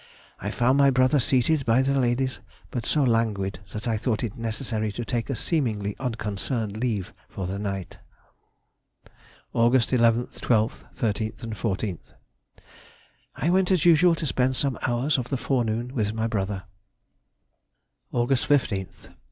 I found my brother seated by the ladies, but so languid that I thought it necessary to take a seemingly unconcerned leave for the night. Aug. 11th, 12th, 13th, and 14th. I went as usual to spend some hours of the forenoon with my brother. _Aug. 15th.